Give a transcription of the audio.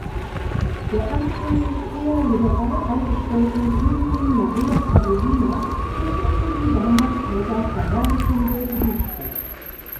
Der anfänglich eher liberal eingestellten Königin Maria Carolina widmete sie damals sogar verherrlichende Gedichte.